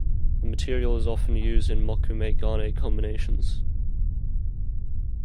The material is often used in mokume-gane combinations.